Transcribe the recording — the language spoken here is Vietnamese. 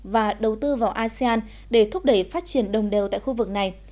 và đầu tư vào asean để thúc đẩy phát triển đồng đều tại khu vực này